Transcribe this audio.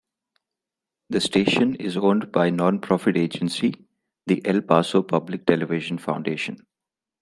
The station is owned by nonprofit agency, the El Paso Public Television Foundation.